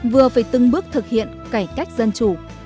vừa phải từng bước thực hiện cải cách dân chủ